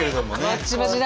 バチバチだ。